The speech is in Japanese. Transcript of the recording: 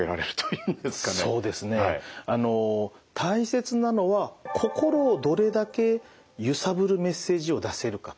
そうですね大切なのは心をどれだけゆさぶるメッセージを出せるかと。